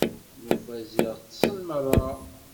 Nufa ziɣ ṭṭsen merra.